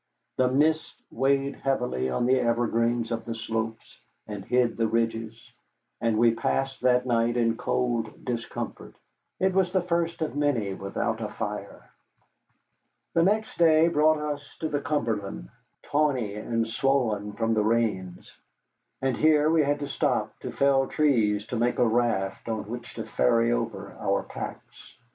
The mists weighed heavily on the evergreens of the slopes and hid the ridges, and we passed that night in cold discomfort. It was the first of many without a fire. The next day brought us to the Cumberland, tawny and swollen from the rains, and here we had to stop to fell trees to make a raft on which to ferry over our packs.